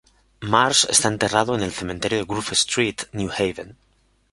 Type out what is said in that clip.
Marsh está enterrado en el Cementerio de Grove Street, New Haven.